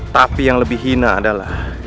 tapi yang lebih hina adalah